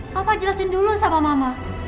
bapak jelasin dulu sama mama